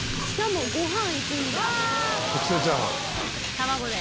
卵で。